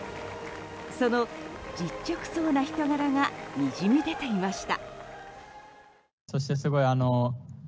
その実直そうな人柄がにじみ出ていました。